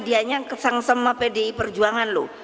dianya seng seng pdi perjuangan loh